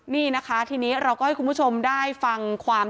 นี่นะคะทีนี้เราก็ให้คุณผู้ชมได้ฟังความ